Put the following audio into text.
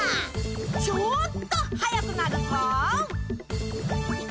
ちょっと速くなるぞ。